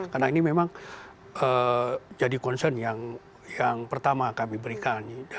karena ini memang jadi concern yang pertama kami berikan